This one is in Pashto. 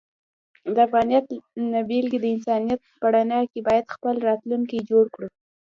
د افغانیت نه بلکې د انسانیت په رڼا کې باید خپل راتلونکی جوړ کړو.